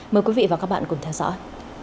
mời quý vị và các bạn cùng theo dõi